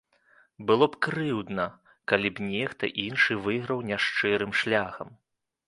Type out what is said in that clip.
Было б крыўдна, калі б нехта іншы выйграў няшчырым шляхам.